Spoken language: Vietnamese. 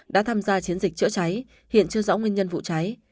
đã tham gia chiến dịch chữa cháy hiện chưa rõ nguyên nhân vụ cháy